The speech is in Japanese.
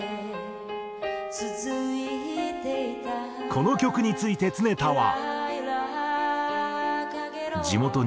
この曲について常田は。